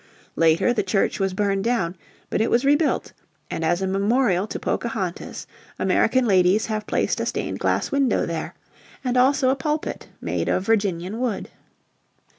Later the Church was burned down, but it was rebuilt, and as a memorial to Pocahontas American ladies have placed a stained glass window there, and also a pulpit made of Virginian wood.